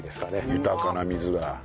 豊かな水だ。